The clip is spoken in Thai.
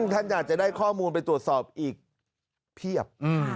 ท่านอยากจะได้ข้อมูลไปตรวจสอบอีกเพียบ